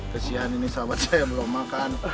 kesian ini sahabat saya yang belum makan